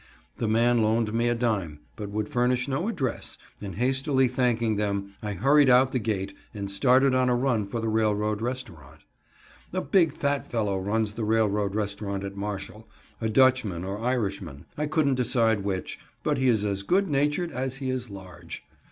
The man loaned me a dime, but would furnish no address; and hastily thanking them, I hurried out the gate and started on a run for the railroad restaurant. A big, fat fellow runs the railroad restaurant at Marshall a Dutchman or Irishman, I couldn't decide which, but he is as good natured as he is large.